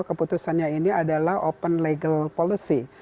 keputusannya ini adalah open legal policy